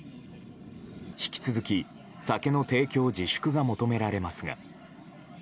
引き続き、酒の提供自粛が求められますが。